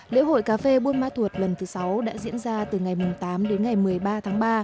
lễ hội cà phê buôn ma thuột lần thứ sáu đã diễn ra từ ngày tám đến ngày một mươi ba tháng ba